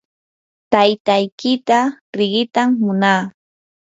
taytaykita riqitam munaa.